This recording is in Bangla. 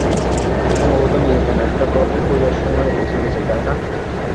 সম্ভবত নিজের জন্য একটা ঘর খোঁজার সময় এসে গেছে, তাই না?